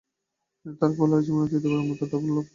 তিনি তার খেলোয়াড়ী জীবনে তৃতীয়বারের মতো ‘ডাবল’ লাভ করেন।